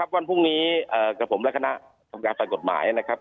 วันพรุ่งนี้กับผมและคณะทำการฝ่ายกฎหมายนะครับ